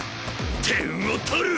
点を取る！